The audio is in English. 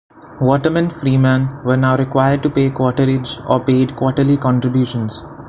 Watermen freeman were now required to pay "quarterage", or paid quarterly contributions.